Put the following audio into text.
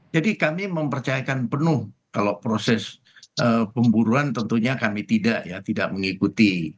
jadi kami mempercayakan penuh kalau proses pemburuan tentunya kami tidak mengikuti